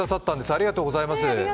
ありがとうございます。